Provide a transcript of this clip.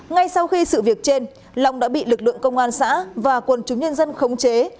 ngay sau khi sự việc trên long đã bị lực lượng công an xã và quân chúng nhân dân khống chế